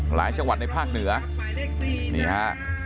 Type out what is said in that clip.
หลายจังหวัดในภาคเหนือนี่ฮะ